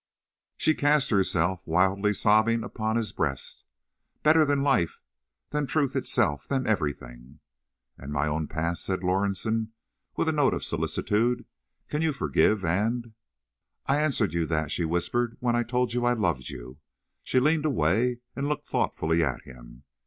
She cast herself, wildly sobbing, upon his breast. "Better than life—than truth itself—than everything." "And my own past," said Lorison, with a note of solicitude—"can you forgive and—" "I answered you that," she whispered, "when I told you I loved you." She leaned away, and looked thoughtfully at him.